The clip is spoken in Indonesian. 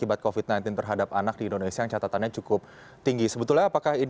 bukan pembelajaran secara langsung di sekolah